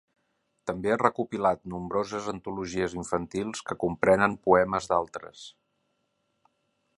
També ha recopilat nombroses antologies infantils que comprenen poemes d'altres.